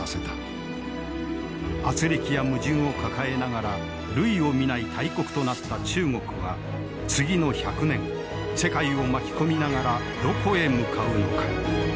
あつれきや矛盾を抱えながら類を見ない大国となった中国は次の１００年世界を巻き込みながらどこへ向かうのか。